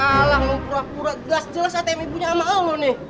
alang pura pura jelas jelas atm ibunya sama elmu nih